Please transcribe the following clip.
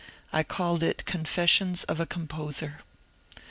I called it Confessions of a Composer."